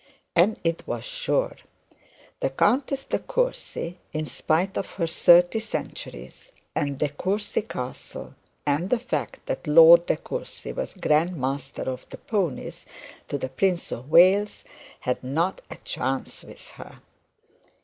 And it was sure. The Countess De Courcy, in spite of her thirty centuries and De Courcy castle, and the fact that Lord De Courcy was grand master of the ponies to the Prince of Wales, had not a chance with her.